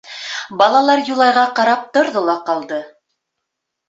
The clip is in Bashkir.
Балалар Юлайға ҡарап торҙо ла ҡалды.